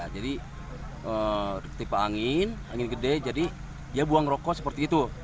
jadi ketika angin angin gede jadi dia buang rokok seperti itu